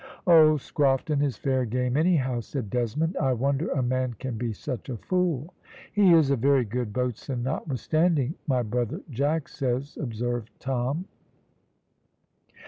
"Old Scrofton is fair game anyhow," said Desmond. "I wonder a man can be such a fool." "He is a very good boatswain, notwithstanding, my brother Jack says," observed Tom.